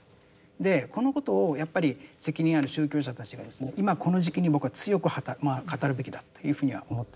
でこのことをやっぱり責任ある宗教者たちが今この時期に僕は強く語るべきだというふうには思っているんですけどね。